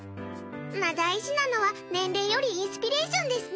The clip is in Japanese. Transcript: まあ、大事なのは年齢よりインスピレーションですね。